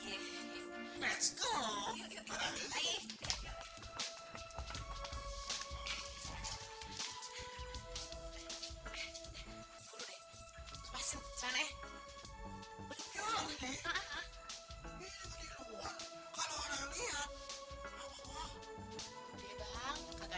ilham kamar sudah cuma annoyed su lagapak